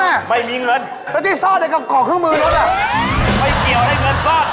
ลำให้เงินน้องมั้น